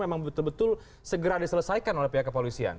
memang betul betul segera diselesaikan oleh pihak kepolisian